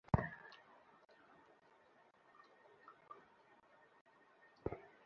দূর থেকে পাওয়া কোনো তথ্য আপনার ব্যবসায়িক কর্মকাণ্ডের জন্য সহায়ক হবে।